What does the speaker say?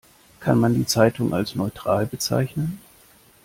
Kann man die Zeitung als neutral bezeichnen?